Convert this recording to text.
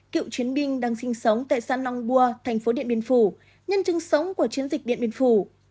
cựu chiến binh đang sinh sống tại xã nong bua thành phố điện biên phủ nhân chứng sống của chiến dịch điện biên phủ